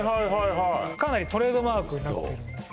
はいかなりトレードマークになってるんですよ